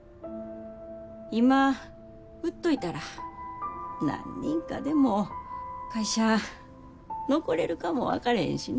今売っといたら何人かでも会社残れるかも分かれへんしな。